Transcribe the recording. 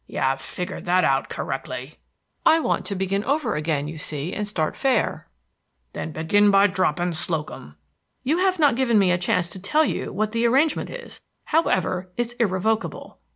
"You have figured that out correctly." "I want to begin over again, you see, and start fair." "Then begin by dropping Slocum." "You have not given me a chance to tell you what the arrangement is. However, it's irrevocable."